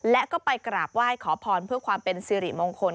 และก็ไปกราบไหว้ขอพรเพื่อความเป็นสิริมงคล